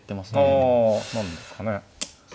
あなんですかね。